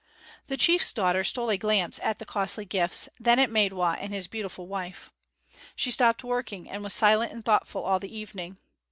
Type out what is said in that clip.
The chief's daughter stole a glance at the costly gifts, then at Maidwa and his beautiful wife. She stopped working and was silent and thoughtful all the evening.